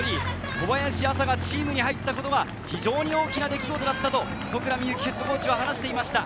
小林朝がチームに入ったことは非常に大きな出来事だったと十倉みゆきヘッドコーチが話していました。